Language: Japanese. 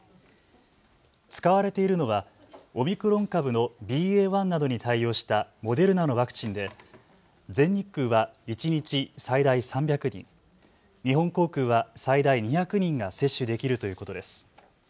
使われているのはオミクロン株のＢＡ．１などに対応したモデルナのワクチンで全日空は一日最大３００人、日本航空は最大２００人が接種できるということです。